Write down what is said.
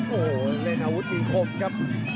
โอ้โหเล่นอาวุธมีคมครับ